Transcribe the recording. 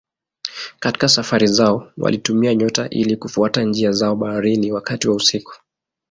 Katika safari zao walitumia nyota ili kufuata njia zao baharini wakati wa usiku.